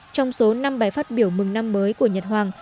trong số năm bài phát biểu mừng năm mới của nhật hoàng